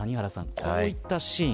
こういったシーン。